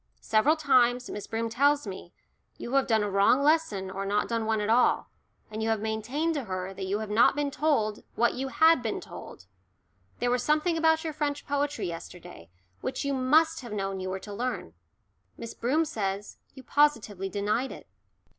Several times, Miss Broom tells me, you have done a wrong lesson or not done one at all, and you have maintained to her that you had not been told what you had been told there was something about your French poetry yesterday, which you must have known you were to learn. Miss Broom says you positively denied it."